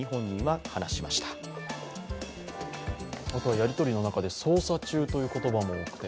やりとりの中で捜査中という言葉も多くて、